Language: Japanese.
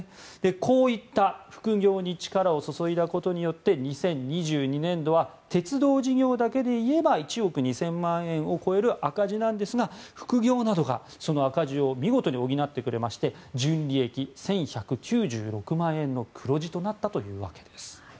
こういった副業に力を注いだことによって２０２２年度は鉄道事業だけでいえば１億２０００万円を超える赤字なんですが副業などが、その赤字を見事に補ってくれまして純利益１１９６万円の黒字となったというわけです。